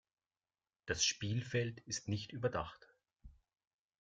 Das Spielfeld ist nicht überdacht.